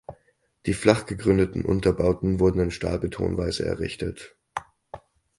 Die flach gegründeten Unterbauten wurden in Stahlbetonbauweise errichtet.